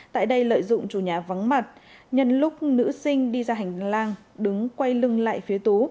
tại đây lợi dụng chủ nhà vắng mặt nhân lúc nữ sinh đi ra hành lang đứng quay lưng lại phía tú